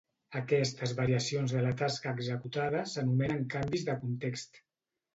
Aquestes variacions de la tasca executada s'anomenen canvis de context.